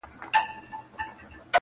خریې ځانته وو تر تلو نیژدې کړی-